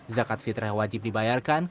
zakat fitrah wajib dibayarkan